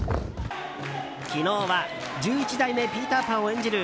昨日は１１代目ピーター・パンを演じる